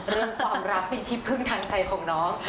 เรื่องความรักเป็นที่พึ่งทางใจของน้อง